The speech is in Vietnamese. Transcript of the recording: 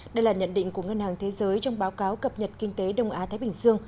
đây là nhận định của ngân hàng thế giới trong báo cáo cập nhật kinh tế đông á thái bình dương